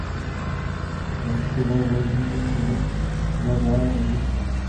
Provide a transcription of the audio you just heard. Zastupoval volební obvod Mladá Vožice.